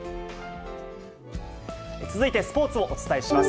続いてスポーツをお伝えします。